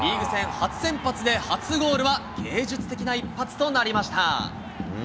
初先発で初ゴールは芸術的な一発となりました。